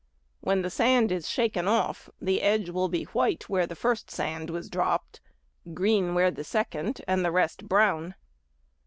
When the sand is shaken off, the edge will be white where the first sand was dropped, green where the second, and the rest brown.